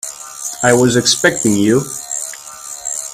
I was expecting you.